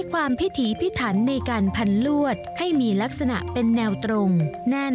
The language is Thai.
ใช้ความพิถีพิถันในการพันลวดให้มีลักษณะเป็นแนวตรงแน่นต่อติดกันไปเรื่อย